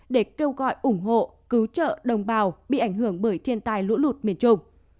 để kêu gọi ủng hộ cứu trợ đồng bào bị ảnh hưởng bởi thiên tai lũ lụt miền trung